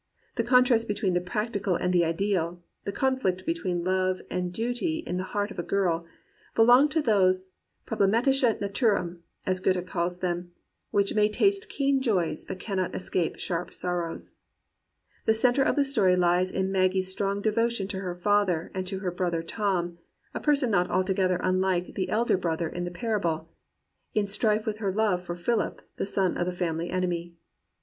The contrast between the practical and the ideal, the conflict between love and duty in the heart of a girl, belong to those problemaluche Naturen, as Goethe called them, which may taste keen joys but cannot escape sharp sorrows. The centre of the story hes in Maggie's strong devotion to her father and to her brother Tom — a person not altogether unlike the "elder brother" in the parable — in strife with her love for Philip, the son of the family enemy.